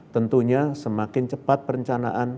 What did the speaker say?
tentunya semakin cepat perencanaan